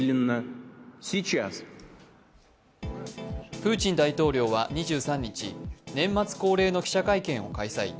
プーチン大統領は２３日年末恒例の記者会見を開催。